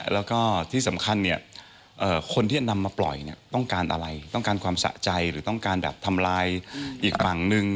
แล้วก็ที่สำคัญคนที่นำมาปล่อยต้องการอะไรต้องการความสะใจหรือต้องการทำลายอีกบังหนึ่ง